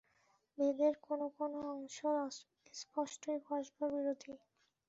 বেদের কোন কোন অংশ স্পষ্টই পরস্পরবিরোধী।